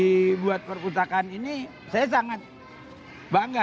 jadi buat perpustakaan ini saya sangat bangga